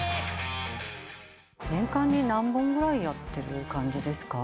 年間に何本ぐらいやってる感じですか？